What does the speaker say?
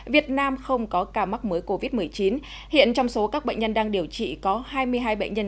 việt nam không có ca mắc mới covid một mươi chín hiện trong số các bệnh nhân đang điều trị có hai mươi hai bệnh nhân